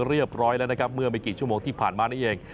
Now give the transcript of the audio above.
เรียบร้อยแล้วนะครับเมื่อไม่กี่ชั่วโมงที่ผ่านมานี่เอง